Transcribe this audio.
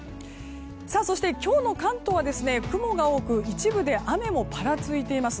そして、今日の関東は雲が多く一部で雨もぱらついています。